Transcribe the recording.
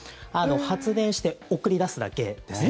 発電して、送り出すだけです。